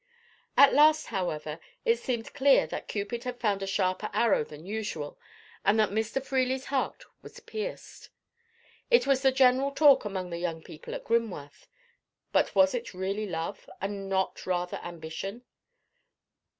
At last, however, it seemed clear that Cupid had found a sharper arrow than usual, and that Mr. Freely's heart was pierced. It was the general talk among the young people at Grimworth. But was it really love, and not rather ambition?